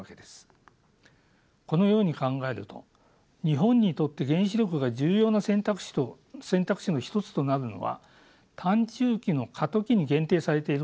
このように考えると日本にとって原子力が重要な選択肢の一つとなるのは短・中期の過渡期に限定されていることが分かります。